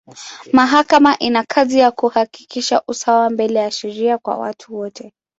Mahakama ina kazi ya kuhakikisha usawa mbele ya sheria kwa watu wote.